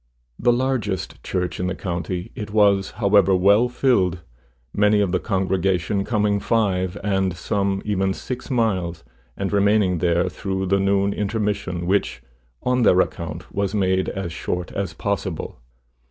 The largest church in the county, it was, however, well filled, many of the congregation coming five and some even six miles, and remaining there through the noon intermission, which, on their account, was made as short as possible.